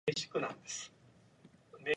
He belongs to the Tiwana clan.